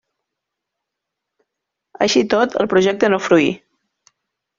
Així i tot, el projecte no fruí.